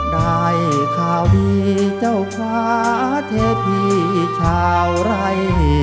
ได้ข่าวดีเจ้าขวาเทพีเฉ่าไร